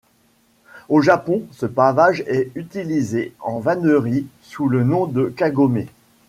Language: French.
Au Japon, ce pavage est utilisé en vannerie sous le nom de Kagomé.